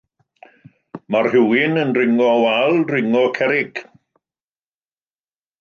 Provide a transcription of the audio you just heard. Mae rhywun yn dringo wal dringo cerrig.